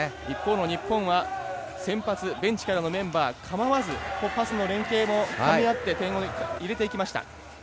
日本は先発ベンチからのメンバー構わずパスの連係もかみ合って点を入れていきました。